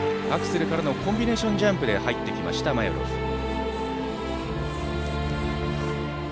アクセルからのコンビネーションジャンプで入ってきた、マヨロフ。